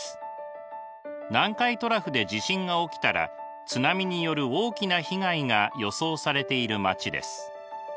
南海トラフで地震が起きたら津波による大きな被害が予想されている町です。